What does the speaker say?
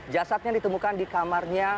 jasadnya ditemukan di kamarnya